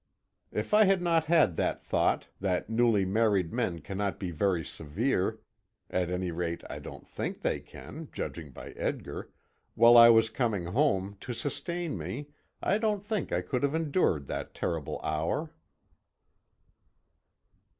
If I had not had that thought, that newly married men cannot be very severe at any rate I don't think they can, judging by Edgar while I was coming home, to sustain me, I do not think I could have endured that terrible hour.